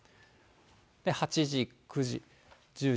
８時、９時、１０時。